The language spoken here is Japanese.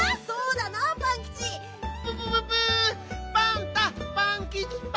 そうだなパンキチ！